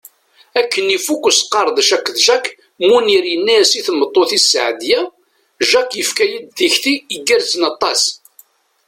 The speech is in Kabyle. Akken ifuk usqerdec akked Jack, Munir yenna i tmeṭṭut-is Seɛdiya: Jack yefka-yi-d tikti igerrzen aṭas.